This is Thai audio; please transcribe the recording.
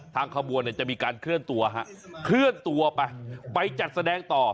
ทางขบวนเนี่ยจะมีการเคลื่อนตัวครับเคลื่อนตัวไปไปจัดแสดงต่อ